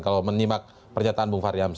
kalau menyimak pernyataan bung faryam